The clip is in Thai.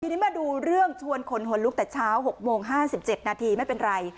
ทีนี้มาดูเรื่องชวนคนหลุกแต่เช้าหกโมงห้าสิบเจ็ดนาทีไม่เป็นไร